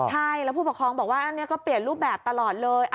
ใช่แล้วผู้ปกครองบอกว่าอันนี้ก็เปลี่ยนรูปแบบตลอดเลย